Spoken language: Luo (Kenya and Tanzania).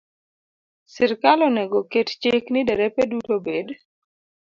Sirkal onego oket chik ni derepe duto obed